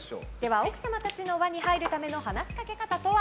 奥様たちの輪に入るための話しかけ方とは？